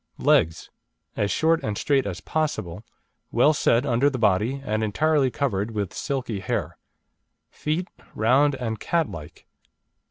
LEGS As short and straight as possible, well set under the body, and entirely covered with silky hair. Feet round and cat like.